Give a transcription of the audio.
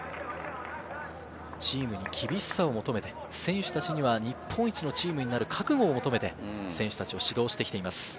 チームに厳しさを求めて、選手たちには日本一のチームになる覚悟を求めて選手たちを指導してきています。